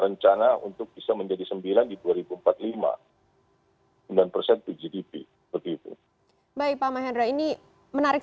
ketika itu presiden marah